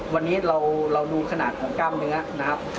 วันนี้เราดูขนาดของกล้ามเนื้อนะครับ